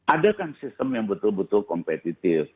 adakan sistem yang betul betul kompetitif